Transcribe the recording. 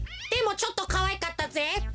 でもちょっとかわいかったぜ。